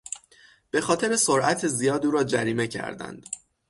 به خاطر سرعت زیاد او را جریمه کردند.